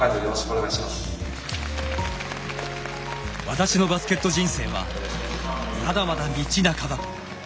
私のバスケット人生はまだまだ道半ば。